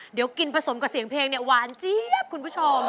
เดี๋ยวกินผสมกับเสียงเพลงเนี่ยหวานเจี๊ยบคุณผู้ชม